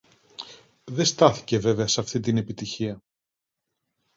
Δε στάθηκε βέβαια σ' αυτή την επιτυχία